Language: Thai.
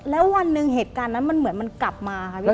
แล้ววันหนึ่งเหตุการณ์นั้นมันเหมือนมันกลับมาค่ะพี่